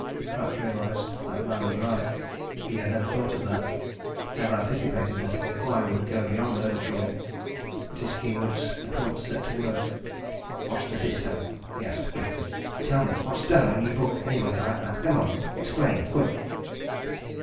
Pratt realized that the man was right. He had never thought of that never anticipated that inquiry would go beyond Murgatroyd. But his keen wits at once set to work. "What's the system?" he asked quickly. "Tell me what's done when you book anybody like that? Come on! explain, quick!"